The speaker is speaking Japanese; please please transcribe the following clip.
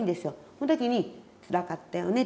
その時に「つらかったよね」